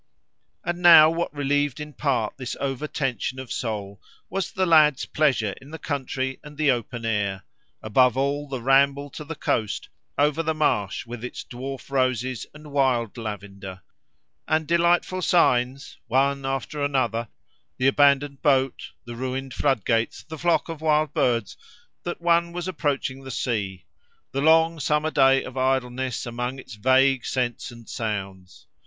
And now what relieved in part this over tension of soul was the lad's pleasure in the country and the open air; above all, the ramble to the coast, over the marsh with its dwarf roses and wild lavender, and delightful signs, one after another—the abandoned boat, the ruined flood gates, the flock of wild birds—that one was approaching the sea; the long summer day of idleness among its vague scents and sounds.